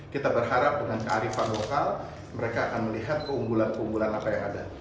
kita berharap dengan kearifan lokal mereka akan melihat keunggulan keunggulan apa yang ada